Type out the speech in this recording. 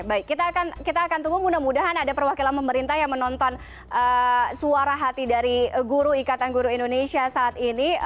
baik kita akan tunggu mudah mudahan ada perwakilan pemerintah yang menonton suara hati dari guru ikatan guru indonesia saat ini